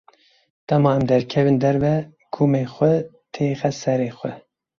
Dema em derkevin derve kumê xwe têxe serê xwe.